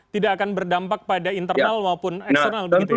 tidak akan berdampak pada internal maupun eksternal begitu ya